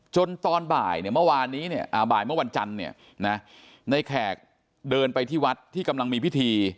ตอนบ่ายเนี่ยเมื่อวานนี้เนี่ยบ่ายเมื่อวันจันทร์เนี่ยนะในแขกเดินไปที่วัดที่กำลังมีพิธี